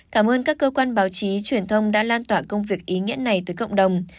cảm ơn các cơ quan báo chí truyền thông đã lan tỏa công việc ý nghĩa này tới cộng đồng